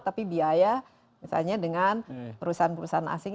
tapi biaya misalnya dengan perusahaan perusahaan asing